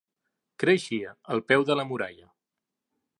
Creixia al peu de la muralla.